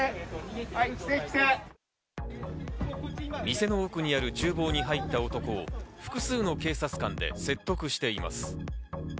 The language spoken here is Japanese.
店の奥にある厨房に入った男を複数の警察官で説得しています。